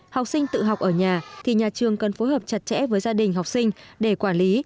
học sinh tự học ở nhà thì nhà trường cần phối hợp chặt chẽ với gia đình học sinh để quản lý